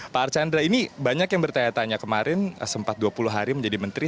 pak archandra ini banyak yang bertanya tanya kemarin sempat dua puluh hari menjadi menteri